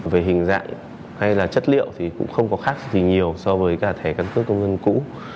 về hình dạng hay là chất liệu thì cũng không có khác gì nhiều so với cả thẻ căn cước công dân cũ